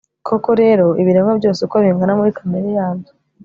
koko rero, ibiremwa byose uko bingana muri kamere yabyo